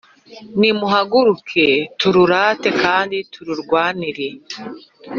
Nimuhaguruke, tururate kandi tururwanire